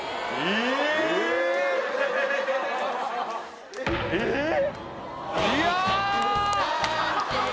ええっ！？